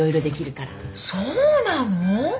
そうなの？